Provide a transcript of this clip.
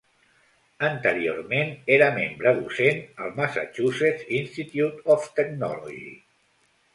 Anteriorment, era membre docent al Massachusetts Institute of Technology.